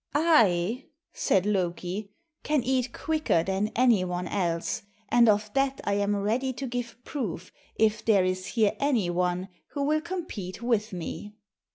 "I," said Loki, "can eat quicker than any one else, and of that I am ready to give proof if there is here any one who will compete with me."